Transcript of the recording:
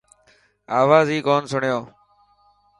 آواز هئي ڪون سڻيو.